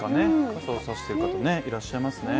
傘を差している方がいらっしゃいますね。